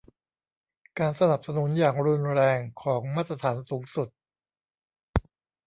การสนับสนุนอย่างรุนแรงของมาตรฐานสูงสุด